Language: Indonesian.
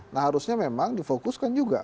nah harusnya memang difokuskan juga